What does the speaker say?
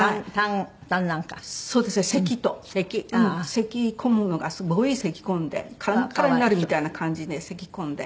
せき込むのがすごいせき込んでカラッカラになるみたいな感じでせき込んで。